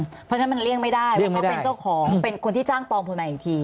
เพราะฉะนั้นมันเลี่ยงไม่ได้ว่าเขาเป็นเจ้าของเป็นคนที่จ้างปองพลมาอีกที